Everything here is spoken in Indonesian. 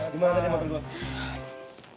gimana tadi mak yohotam